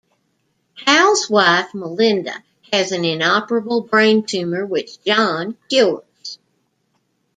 Hal's wife Melinda has an inoperable brain tumor, which John cures.